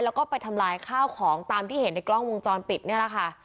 แล้วก็ไปทำลายข้าวของตามที่เห็นในกล้องวงจรปิดนี่แหละค่ะ